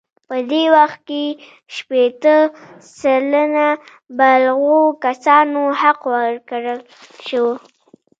په دې وخت کې شپیته سلنه بالغو کسانو حق ورکړل شو.